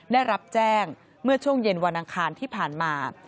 ได้รับแจ้งเมื่อช่วงเย็นวันอังคารที่ผ่านมา